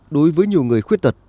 đối với nhiều người khuyết tật